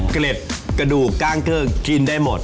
เกล็ดกระดูกกล้างเกิกกินได้หมด